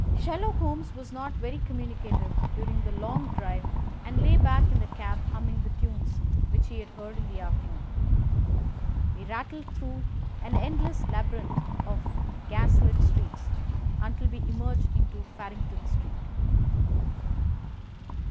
Sherlock Holmes was not very communicative during the long drive and lay back in the cab humming the tunes which he had heard in the afternoon. We rattled through an endless labyrinth of gas lit streets until we emerged into Farrington Street.